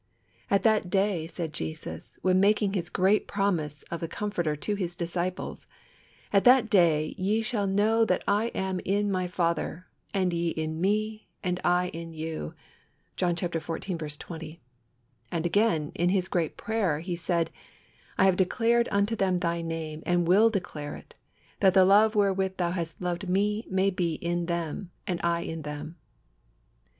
"At that day," said Jesus, when making His great promise of the Comforter to His disciples, "At that day ye shall know that I am in My Father, and ye in Me, and I in you" (John xiv. 20); and again, in His great prayer, He said: "I have declared unto them Thy name, and will declare it: that the love wherewith Thou hast loved Me may be in them, and I in them."